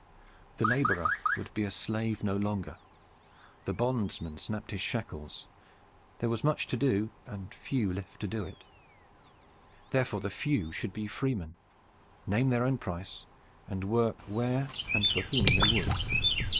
The laborer would be a slave no longer. The bondsman snapped his shackles. There was much to do and few left to do it. Therefore the few should be freemen, name their own price, and work where and for whom they would.